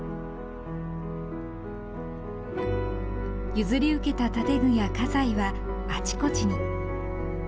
譲り受けた建具や家財はあちこちに。